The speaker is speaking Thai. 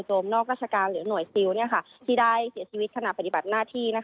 นอกราชการหรือหน่วยซิลที่ได้เสียชีวิตขณะปฏิบัติหน้าที่